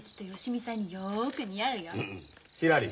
ひらり。